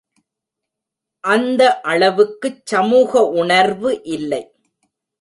அந்த அளவுக்கு சமூக உணர்வு இல்லை.